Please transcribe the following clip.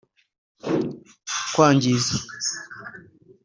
kwangiza